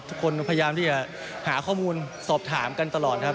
พยายามที่จะหาข้อมูลสอบถามกันตลอดครับ